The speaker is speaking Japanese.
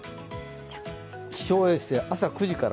気象衛星、朝９時から。